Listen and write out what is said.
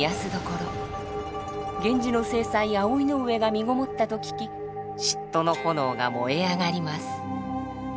源氏の正妻葵の上がみごもったと聞き嫉妬の炎が燃え上がります。